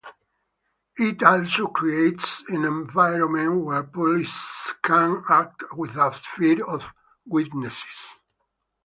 It also creates an environment where police can act without fear of witnesses.